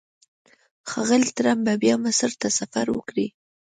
ښاغلی ټرمپ به بیا مصر ته سفر وکړي.